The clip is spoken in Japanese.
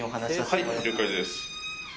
はい了解です。